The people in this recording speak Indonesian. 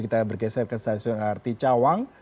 kita bergeser ke stasiun lrt cawang